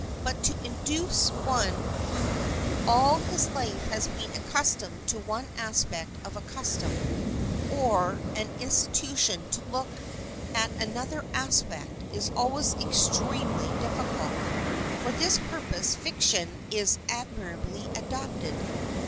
But to induce one who all his life has been accustomed to one aspect of a custom or an institution to look at another aspect is always extremely difficult. For this purpose fiction is admirably adapted.